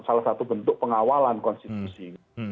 salah satu bentuk pengawalan konstitusi